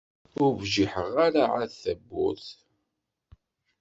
Ur bjiḥeɣ ara ɛad tawwurt.